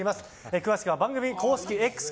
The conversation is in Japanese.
詳しくは番組公式Ｘ